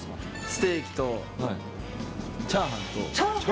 ステーキとチャーハンと。